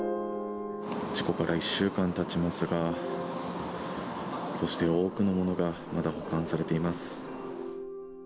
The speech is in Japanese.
事故から１週間たちますが、こうして多くのものが、まだ保管されています。